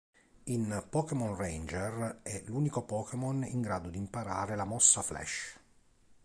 In Pokémon Ranger è l'unico Pokémon in grado di imparare la mossa Flash.